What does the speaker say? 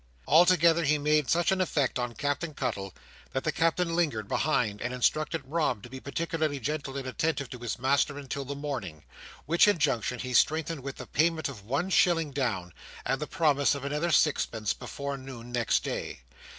Altogether, he made such an effect on Captain Cuttle that the Captain lingered behind, and instructed Rob to be particularly gentle and attentive to his master until the morning: which injunction he strengthened with the payment of one shilling down, and the promise of another sixpence before noon next day.